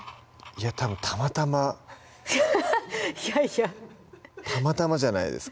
いやたぶんたまたまハハハいやいやたまたまじゃないですか